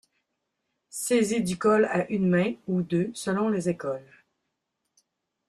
Saisi du col à une main ou deux selon les écoles.